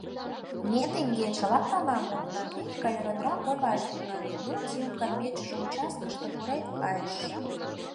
— Ме теҥгече лаптала модна, — Петька ӧрынрак ойлаш тӱҥале, — ну, Тимкан мечыже участкышке пурен кайыш.